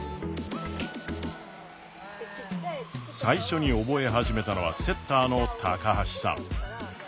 最初に覚え始めたのはセッターの橋さん。